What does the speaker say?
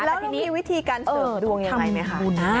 แล้วมีวิธีการเสิร์ฟดวงยังไงไหมฮะ